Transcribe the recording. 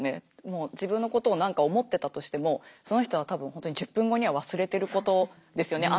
もう自分のことを何か思ってたとしてもその人は多分本当に１０分後には忘れてることですよね。